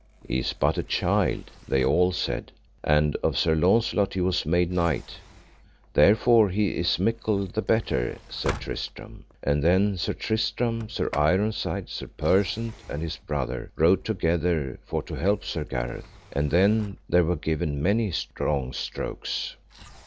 He is but a child, they all said, and of Sir Launcelot he was made knight. Therefore he is mickle the better, said Tristram. And then Sir Tristram, Sir Ironside, Sir Persant, and his brother, rode together for to help Sir Gareth; and then there were given many strong strokes.